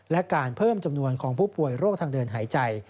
และการเพิ่มจำนวนของผู้ป่วยโรคทางเดินหายใจ